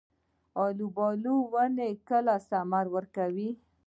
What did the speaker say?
د الوبالو ونې کله حاصل ورکوي؟